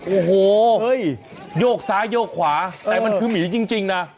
โอ้โหโยกซ้ายโยกขวาแต่มันคือหมีจริงนะ